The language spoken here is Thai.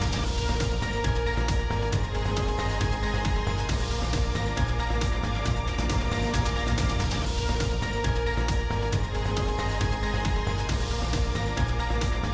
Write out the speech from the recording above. สวัสดีค่ะ